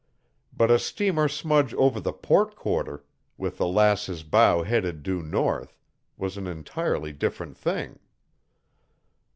But a steamer smudge over the port quarter, with the Lass's bow headed due north, was an entirely different thing.